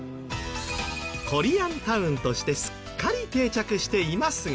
コリアンタウンとしてすっかり定着していますが。